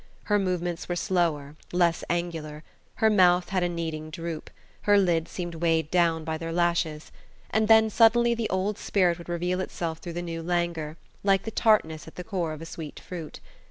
Her movements were slower, less angular; her mouth had a needing droop, her lids seemed weighed down by their lashes; and then suddenly the old spirit would reveal itself through the new languor, like the tartness at the core of a sweet fruit.